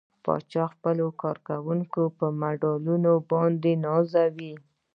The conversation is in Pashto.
پاچا خپل کارکوونکي په مډالونو باندې ونازوه.